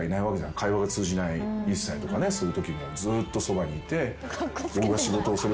会話が通じない１歳とかねそういうときもずっとそばにいて。